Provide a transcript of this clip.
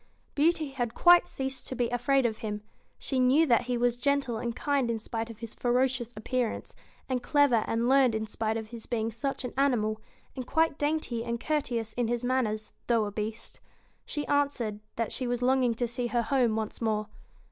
AND 'i Beauty had quite ceased to be afraid of him. She BEAST knew that he was gentle and kind in spite of his ferocious appearance; and clever and learned in spite of his being such an animal ; and quite dainty and courteous in his manners, though a Beast. She answered, that she was longing to see her home once more.